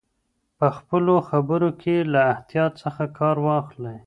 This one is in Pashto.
په خپلو خبرو کې له احتیاط څخه کار واخلئ.